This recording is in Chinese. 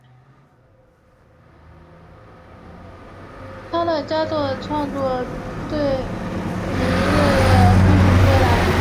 他的一些佳作创作于卡兹奇山旅行归来。